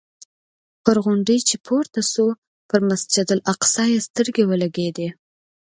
پر غونډۍ چې پورته شو پر مسجد الاقصی یې سترګې ولګېدې.